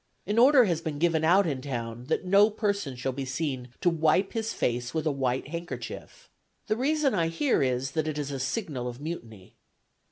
An order has been given out in town that no person shall be seen to wipe his face with a white handkerchief. The reason I hear is, that it is a signal of mutiny.